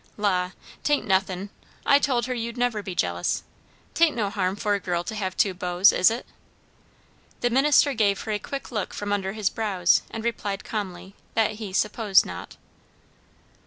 La! 'tain't nothin'. I told her, you'd never be jealous. 'Tain't no harm for a girl to have two beaus, is it?" The minister gave her a quick look from under his brows, and replied calmly that he "supposed not."